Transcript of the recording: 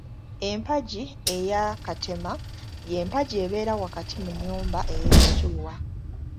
Empagi eya Katema y'empagi ebeera wakati mu nnyumba ey’ekisuuwa.